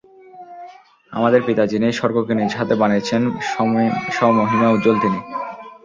আমাদের পিতা যিনি স্বর্গকে নিজ হাতে বানিয়েছেন, স্বমহিমায় উজ্জ্বল তিনি!